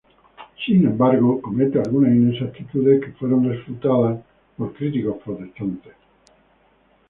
Sin embargo, comete algunas inexactitudes que fueron refutadas por críticos protestantes.